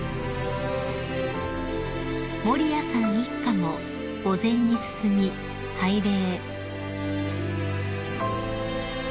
［守谷さん一家も墓前に進み拝礼］